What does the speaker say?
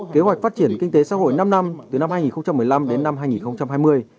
kế hoạch phát triển kinh tế xã hội năm năm từ năm hai nghìn một mươi năm đến năm hai nghìn hai mươi